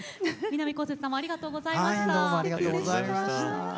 南こうせつさんありがとうございました。